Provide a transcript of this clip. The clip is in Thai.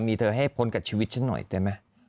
มีเธอให้พ้นกับชีวิตฉันหน่อยได้ไหม